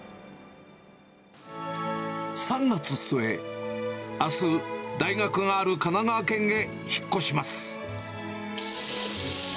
３月末、あす、大学がある神奈川県へ引っ越します。